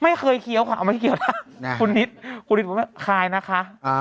ไม่เคยเคี้ยวค่ะเอาไม่คี้ยวนะคุณนิดคุณนิดบอกว่าไม่คายนะคะเออ